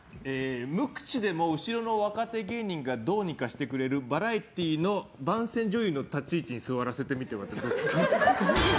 無口でも後ろの若手芸人がどうにかしてくれるバラエティーの番宣女優の立ち位置に座らせてみては。